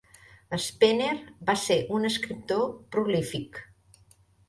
Spener va ser un escriptor prolífic.